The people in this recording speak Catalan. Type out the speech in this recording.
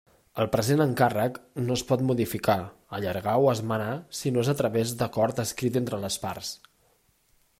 El present encàrrec no es pot modificar, allargar o esmenar si no és a través d'acord escrit entre les parts.